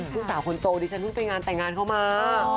ลูกสาวคนโตดิฉันเพิ่งไปงานแต่งงานเขามา